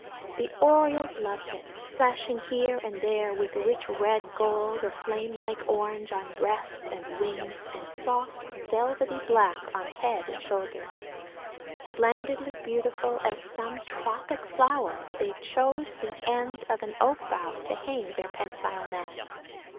The orioles loved it, flashing here and there with rich red gold or flame like orange on breast and wings and soft, velvety black on head and shoulders, splendidly beautiful as some tropic flower, they chose the end of an oak bough to hang their pensile nest.